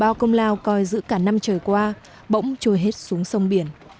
bao công lao coi giữ cả năm trời qua bỗng trôi hết xuống sông biển